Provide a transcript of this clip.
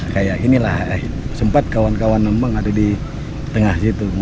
kayak inilah sempat kawan kawan nembang ada di tengah situ